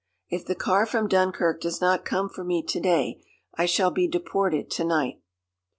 "If the car from Dunkirk does not come for me to day I shall be deported to night.